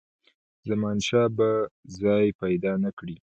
زمانشاه به ځای پیدا نه کړي.